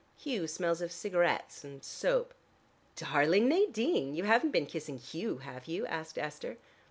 Hugh smells of cigarettes and soap " "Darling Nadine, you haven't been kissing Hugh, have you?" asked Esther.